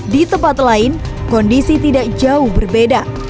di tempat lain kondisi tidak jauh berbeda